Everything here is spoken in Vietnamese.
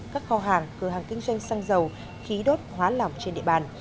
các kho hàng cửa hàng kinh doanh xăng dầu khí đốt hóa lỏng trên địa bàn